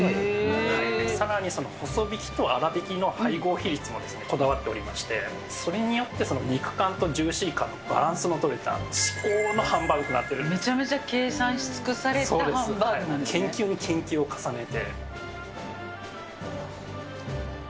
さらにその細びきと粗びきの配合比率もこだわっておりまして、それによって肉感とジューシー感のバランスの取れた至高のハンバめちゃめちゃ計算し尽くされ研究に研究を重ねて。